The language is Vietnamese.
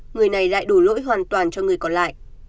người này lại đổ lỗi hoàn toàn cho người còn lại